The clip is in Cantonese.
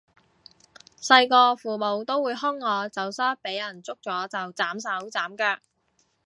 細個父母都會兇我走失畀人捉咗就斬手斬腳